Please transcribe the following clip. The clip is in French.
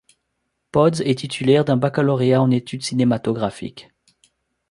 Podz est titulaire d'un baccalauréat en études cinématographiques.